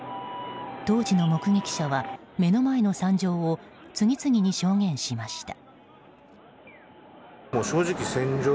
当時の目撃者は目の前の惨状を次々に証言しました。